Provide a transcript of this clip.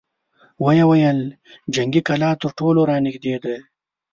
ويې ويل: جنګي کلا تر ټولو را نېږدې ده!